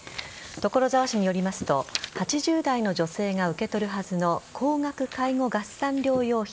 所沢市によりますと８０代の女性が受け取るはずの高額介護合算療養費